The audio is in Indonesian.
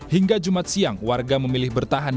hingga jumat siang warga memilih bertahan